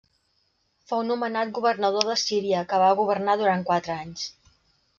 Fou nomenat governador de Síria, que va governar durant quatre anys.